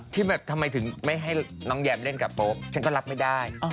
ที่แบบทำไมถึงไม่ให้น้องแยมเล่นกับโป๊ปฉันก็รับไม่ได้